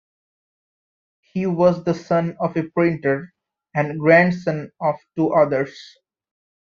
He was the son of a printer, and grandson of two others.